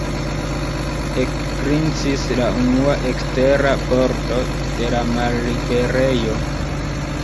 Ekgrincis la unua ekstera pordo de la malliberejo.